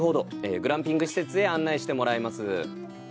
グランピング施設へ案内してもらいます。